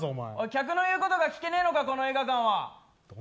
客の言うことが聞けないのか、この映画館は。